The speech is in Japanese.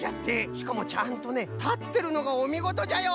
しかもちゃんとねたってるのがおみごとじゃよ！